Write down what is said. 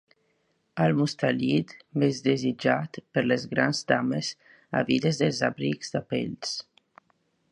El mustèlid més desitjat per les grans dames àvides dels abrics de pells.